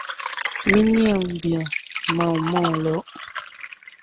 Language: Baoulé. Mi niaan bian, mʼan wunman wɔ lɔ.